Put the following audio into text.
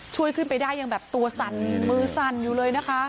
ช่วยขึ้นไปได้ยังแบบตัวสั่นมือสั่นอยู่เลยนะคะ